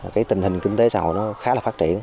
cái tình hình kinh tế xã hội nó khá là phát triển